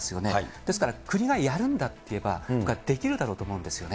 ですから国がやるんだって言えば、できるだろうと思うんですね。